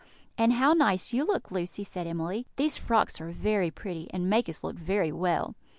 "And how nice you look, Lucy!" said Emily. "These frocks are very pretty, and make us look very well."